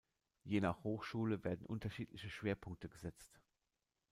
Je nach Hochschule werden unterschiedliche Schwerpunkte gesetzt.